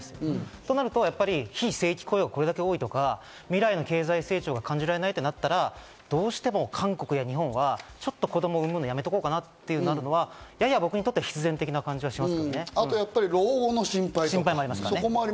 となると、非正規雇用がこれだけ多いとか、未来の経済成長が感じられないとなったらどうしても韓国や日本は子供を生むのはやめとこうかなってなるのはやや僕にとっては必然的な感じがします。